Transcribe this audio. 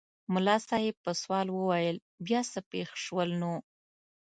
ملا صاحب په سوال وویل بیا څه پېښ شول نو؟